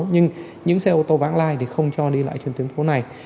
nhưng những xe ô tô vãng lai thì không cho đi lại trên tuyến phố này